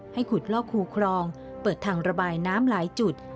ขุดลอกคูครองเปิดทางระบายน้ำหลายจุด